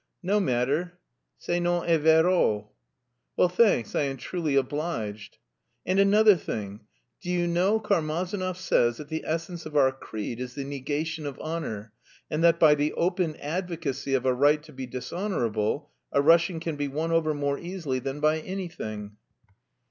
"No matter. Se non è vero..." "Well, thanks. I am truly obliged." "And another thing. Do you know, Karmazinov says that the essence of our creed is the negation of honour, and that by the open advocacy of a right to be dishonourable a Russian can be won over more easily than by anything."